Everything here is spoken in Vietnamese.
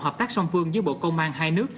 hợp tác song phương giữa bộ công an hai nước